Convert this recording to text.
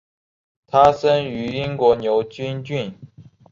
他出生于英国牛津郡。